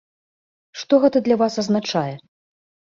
Што гэта для вас азначае?